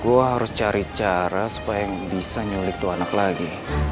gue harus cari cara supaya nggak bisa nyulik dua anak lagi